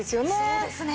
そうですね。